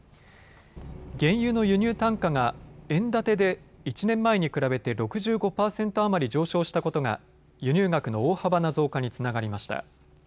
原油の輸入単価が円建てで１年前に比べて６５％余り上昇したことが輸入額の大幅な増加につながりました。